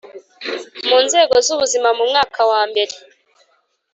mu Nzego z Ubuzima mu mwaka wa mbere